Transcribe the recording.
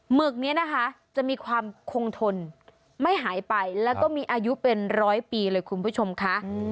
หึกนี้นะคะจะมีความคงทนไม่หายไปแล้วก็มีอายุเป็นร้อยปีเลยคุณผู้ชมค่ะ